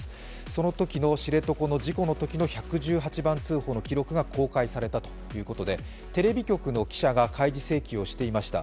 そのときの知床の事故のときの１１８番通報の記録が公開されたということでテレビ局の記者が開示請求をしていました。